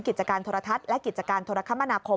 กิจการโทรทัศน์และกิจการโทรคมนาคม